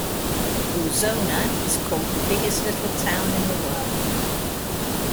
Ozona is called the "Biggest Little Town in the World".